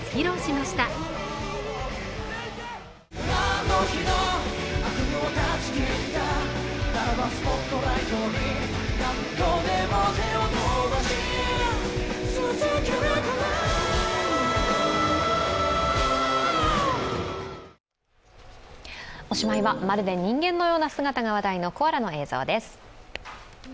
おしまいは、まるで人間のような姿が話題のコアラの映像です。